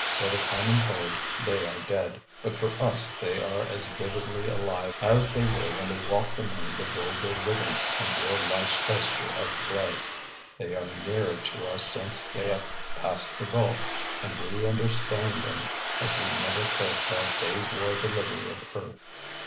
For the common herd they are dead; but for us they are as vividly alive as they were when they walked among the vulgar living, and wore life's vesture of clay. They are nearer to us since they have passed the gulf, and we understand them as we never could while they wore the livery of earth.